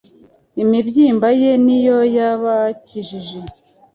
imibyimba ye ni yo yabakijije.